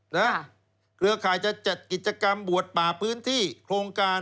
เครือข่ายจะจัดกิจกรรมบวชป่าพื้นที่โครงการ